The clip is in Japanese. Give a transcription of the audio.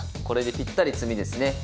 これでぴったり詰みですね。